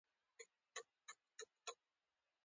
د تر بنده په پنځو روپو لوبه به نوره ګرمه شي.